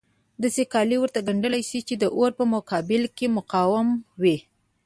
داسې کالي ورته ګنډل شي چې د اور په مقابل کې مقاوم وي.